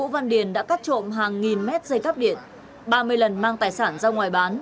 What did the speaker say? văn điền đã cắt trộm hàng nghìn mét dây cắp điện ba mươi lần mang tài sản ra ngoài bán